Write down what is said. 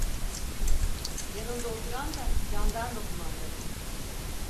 Yanında oturan da candarma kumandanı.